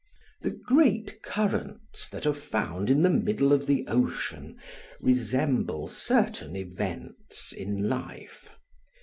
The great currents that are found in the middle of the ocean resemble certain events in life.